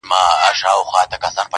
هر زړه پټ درد ساتي تل